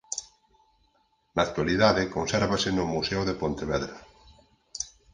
Na actualidade consérvase no Museo de Pontevedra.